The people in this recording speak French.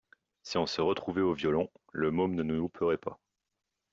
Si on se retrouvait au violon, le môme nous louperait pas.